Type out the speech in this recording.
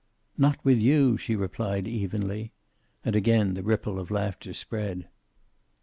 "Not with you," she replied, evenly. And again the ripple of laughter spread.